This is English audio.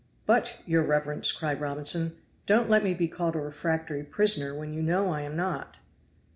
"But, your reverence," cried Robinson, "don't let me be called a refractory prisoner when you know I am not."